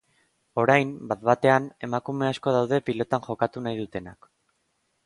Orain, bat-batean, emakume asko daude pilotan jokatu nahi dutenak.